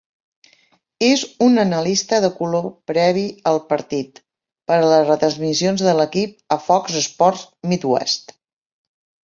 És un analista de color previ al partit, per a les retransmissions de l'equip a Fox Sports Midwest.